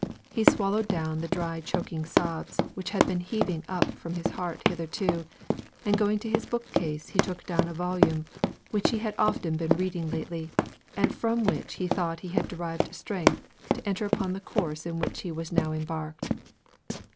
He swallowed down the dry choking sobs which had been heaving up from his heart hitherto, and going to his bookcase he took down a volume, which he had often been reading lately, and from which he thought he had derived strength to enter upon the course in which he was now embarked.